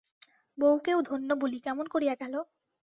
বউকেও ধন্য বলি, কেমন করিয়া গেল?